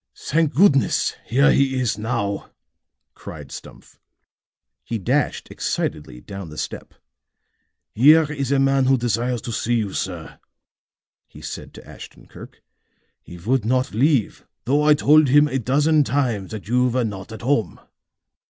"Thank goodness, here he is now!" cried Stumph. He dashed excitedly down the step. "Here is a man who desires to see you, sir," he said to Ashton Kirk. "He would not leave, though I told him a dozen times that you were not at home."